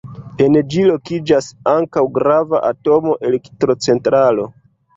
En ĝi lokiĝas ankaŭ grava atoma elektrocentralo.